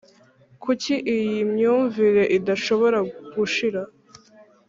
kuki iyi myumvire idashobora gushira